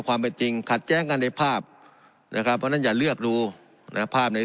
ความเป็นจริงขัดแย้งกันในภาพนะครับเพราะฉะนั้นอย่าเลือกดูนะภาพใน